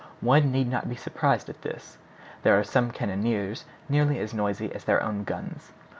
One need not be surprised at this. There are some cannoneers nearly as noisy as their own guns.